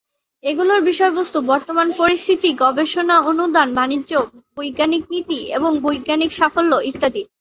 এগুলোর বিষয়বস্তু বর্তমান পরিস্থিতি, গবেষণা অনুদান, বাণিজ্য, বৈজ্ঞানিক নীতি এবং বৈজ্ঞানিক সাফল্য ইত্যাদি।